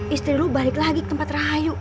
istri lu balik lagi ke tempat rahayu